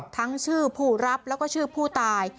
ทั้งชื่อผู้รับแล้วก็ชื่อผู้ตาย